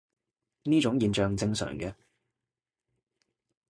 呢種現象正常嘅